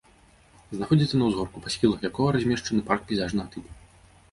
Знаходзіцца на ўзгорку, па схілах якога размешчаны парк пейзажнага тыпу.